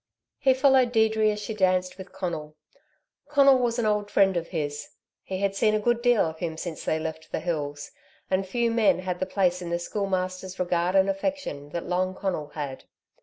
He followed Deirdre as she danced with Conal. Conal was an old friend of his. He had seen a good deal of him since they left the hills, and few men had the place in the Schoolmaster's regard and affection that Long Conal had.